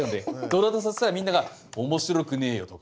そしたらみんなが「面白くねえよ」とか。